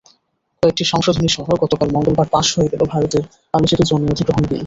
কয়েকটি সংশোধনীসহ গতকাল মঙ্গলবার পাস হয়ে গেল ভারতের আলোচিত জমি অধিগ্রহণ বিল।